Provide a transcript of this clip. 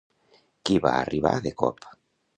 Qui va arribar de cop?